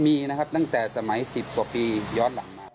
มีนะครับตั้งแต่สมัย๑๐กว่าปีย้อนหลังมา